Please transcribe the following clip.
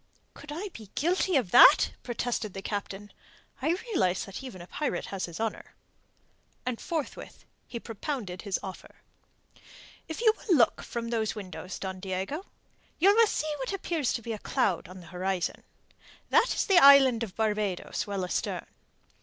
"Could I be guilty of that?" protested the Captain. "I realize that even a pirate has his honour." And forthwith he propounded his offer. "If you will look from those windows, Don Diego, you will see what appears to be a cloud on the horizon. That is the island of Barbados well astern.